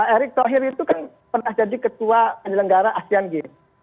erick thohir itu kan pernah jadi ketua penyelenggara asean games